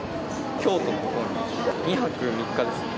京都に２泊３日ですね。